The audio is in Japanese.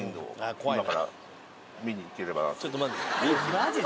マジで？